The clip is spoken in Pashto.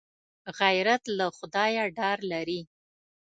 غیرت له خدایه ډار لري